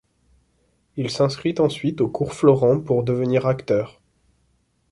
Il s'inscrit ensuite au cours Florent pour devenir acteur.